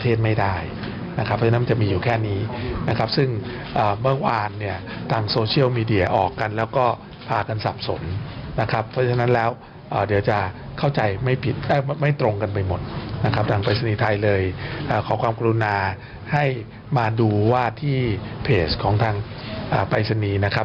ทางปรายศนีย์ไทยเลยขอความกรุณาให้มาดูว่าที่เพจของทางปรายศนีย์นะครับ